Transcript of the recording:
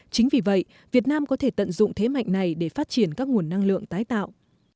chính vì vậy việt nam có thể tận dụng thế mạnh này để phát triển các nguồn năng lượng tái tạo